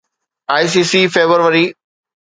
ICC February